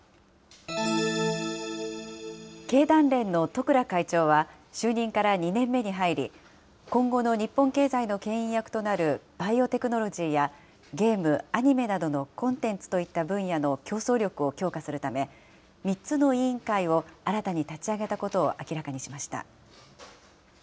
経団連の十倉会長は、就任から２年目に入り、今後の日本経済のけん引役となるバイオテクノロジーやゲーム、アニメなどのコンテンツといった分野の競争力を強化するため、３つの委員会を新たに立ち上げたことを明らかにしました。